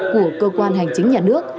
của cơ quan hành chính nhà nước